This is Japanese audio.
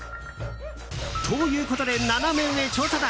ということで、ナナメ上調査団